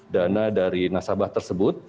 dana dari nasabah tersebut